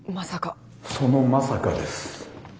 そのまさかです。